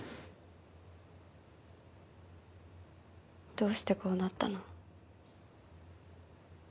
どうしてこうなったの？